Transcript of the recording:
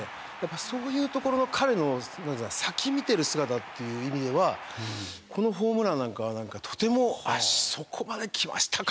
そういうところの彼の先見てる姿っていう意味ではこのホームランなんかはとても「そこまで来ましたか」